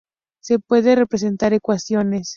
Se pueden representar ecuaciones.